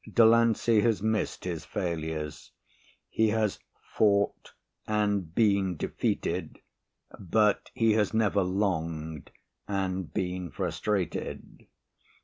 Delancey has missed his failures. He has fought and been defeated but he has never longed and been frustrated.